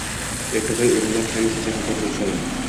Erkatoy o`g`illar hamisha jahldor bo`lishadi